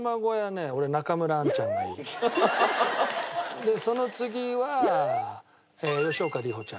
でその次は吉岡里帆ちゃん。